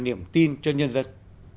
niềm tin cho nhân dân